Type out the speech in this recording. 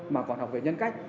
mà còn học về nhân cách